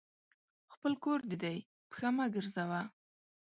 خپل کور دي دی ، پښه مه ګرځوه !